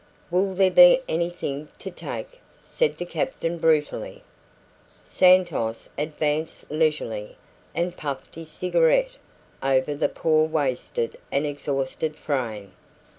"Will there be anything to take?" said the captain brutally. Santos advanced leisurely, and puffed his cigarette over the poor wasted and exhausted frame.